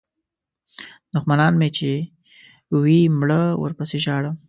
دوښمنان مې چې وي مړه ورپسې ژاړم.